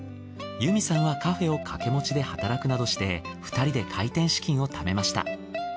由実さんはカフェを掛け持ちで働くなどして二人で開店資金を貯めました。